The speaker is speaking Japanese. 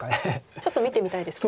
ちょっと見てみたいですけど。